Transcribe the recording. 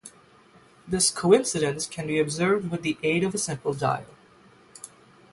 This coincidence can be observed with the aid of a simple dial.